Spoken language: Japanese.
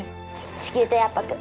子宮底圧迫。